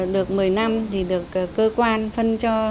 được một mươi năm thì được cơ quan phân cho